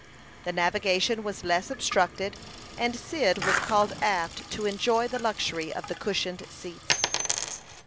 The navigation was less obstructed, and Cyd was called aft to enjoy the luxury of the cushioned seats.